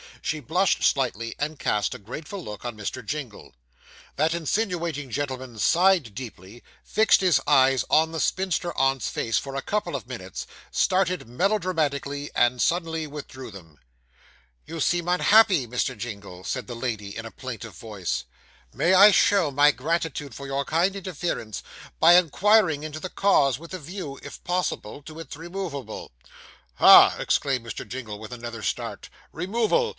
She blushed slightly, and cast a grateful look on Mr. Jingle. That insinuating gentleman sighed deeply, fixed his eyes on the spinster aunt's face for a couple of minutes, started melodramatically, and suddenly withdrew them. 'You seem unhappy, Mr. Jingle,' said the lady, in a plaintive voice. 'May I show my gratitude for your kind interference, by inquiring into the cause, with a view, if possible, to its removal?' 'Ha!' exclaimed Mr. Jingle, with another start 'removal!